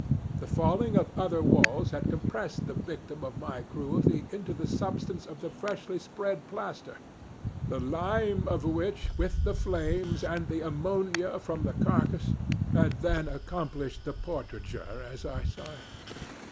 The falling of other walls had compressed the victim of my cruelty into the substance of the freshly spread plaster; the lime of which, with the flames, and the ammonia from the carcass, had then accomplished the portraiture as I saw it.